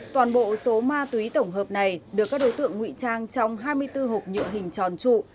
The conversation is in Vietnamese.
toàn bộ số ma túy tổng hợp này được các đối tượng ngụy trang trong hai mươi bốn hộp nhựa hình tròn trụ